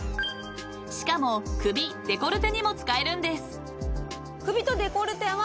［しかも首デコルテにも使えるんです］